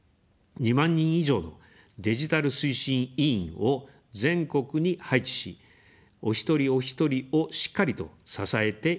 ２万人以上のデジタル推進委員を全国に配置し、お一人おひとりをしっかりと支えていきます。